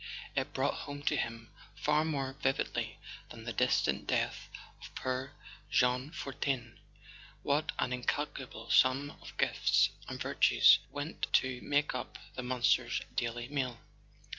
It brought home to him, far more vividly than the distant death of poor Jean Fortin, what an incalculable sum of gifts and virtues went to make up the monster's daily meal.